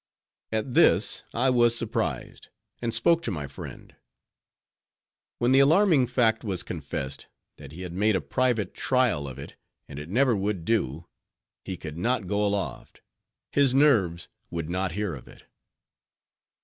At this I was surprised, and spoke to my friend; when the alarming fact was confessed, that he had made a private trial of it, and it never would do: he could not go aloft; his nerves would not hear of it.